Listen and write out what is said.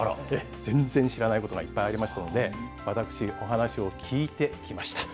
全然知らないことがいっぱいありましたので、私、お話を聞いてきました。